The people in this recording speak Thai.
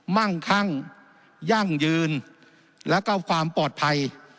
มั่งคั่งยั่งยืนแล้วก็ความปลอดภัย